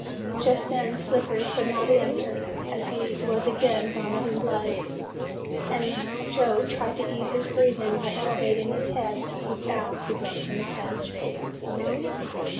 Just then Slippery could not answer, as he was again vomiting blood, and Joe tried to ease his breathing by elevating his head with boughs he broke from the hedge.